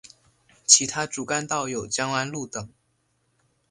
其他主干道有江湾路等。